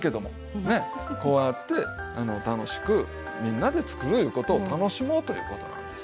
こうやって楽しくみんなで作るいうことを楽しもうということなんです。